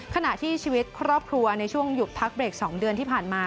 ขณะที่ชีวิตครอบครัวในช่วงหยุดพักเบรก๒เดือนที่ผ่านมา